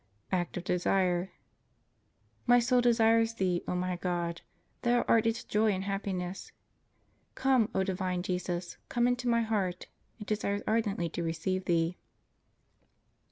Act of Desire. My soul desires Thee, O my God! Thou art its joy and happiness. Come, O divine Jesus, come into my heart; it desires ardently to receive Thee.